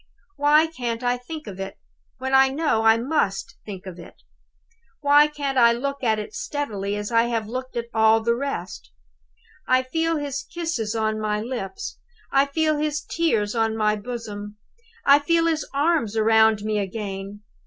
"Why can't I think of it, when I know I must think of it? Why can't I look at it as steadily as I have looked at all the rest? I feel his kisses on my lips; I feel his tears on my bosom; I feel his arms round me again.